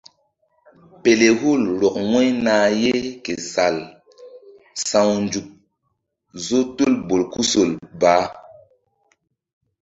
Pelehul rɔk wu̧y nah ye ke sal sawnzuk zo tul bolkusol bah.